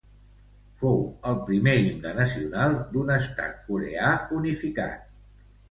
Fou el primer himne nacional d'un estat coreà unificat.